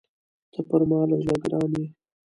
ته پر ما له زړه ګران يې!